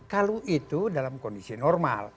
kalau itu dalam kondisi normal